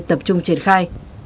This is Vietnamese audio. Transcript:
tập trung triển khai